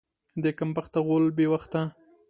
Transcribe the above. د کم بخته غول بې وخته.